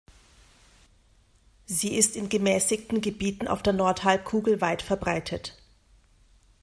Sie ist in gemäßigten Gebieten auf der Nordhalbkugel weitverbreitet.